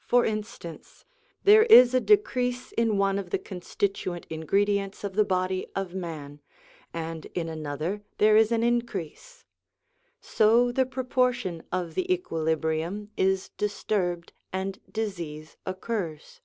For instance, there is a decrease in one of the con stituent ingredients of the body of man, and in another 296 POWERS AND CONDITIONS OF MAN 297 there is an increase; so the proportion of the equili brium is disturbed, and disease occurs.